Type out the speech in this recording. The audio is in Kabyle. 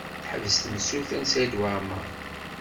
Teḥbes temsulta Saɛid Waɛmaṛ.